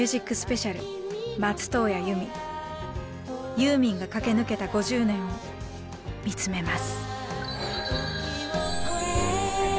ユーミンが駆け抜けた５０年を見つめます。